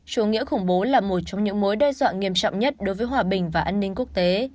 chủ nghĩa khủng bố là một trong những mối đe dọa nghiêm trọng nhất đối với hòa bình và an ninh quốc tế